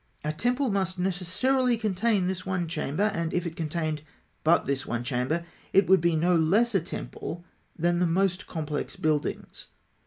A temple must necessarily contain this one chamber; and if it contained but this one chamber, it would be no less a temple than the most complex buildings.